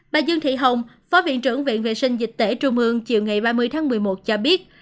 bà dương thị hồng phó viện trưởng viện vệ sinh dịch tễ trung ương chiều ngày ba mươi tháng một mươi một cho biết